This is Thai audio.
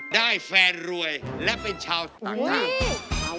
ได้แฟนรวยและเป็นชาวต่างชาติ